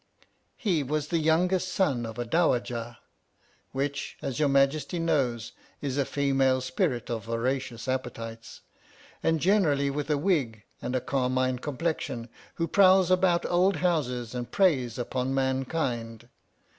He was the youngest son of a Dowajah — which, as your Majesty knows, is a female spirit of voracious appetites, and generally with a wig and a carmine com plexion, who prowls about old houses and preys upon mankind.